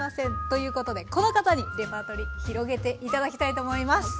ということでこの方にレパートリー広げて頂きたいと思います！